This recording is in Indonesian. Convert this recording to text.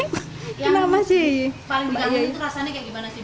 yang paling dikangenin rasanya kayak gimana sih mbak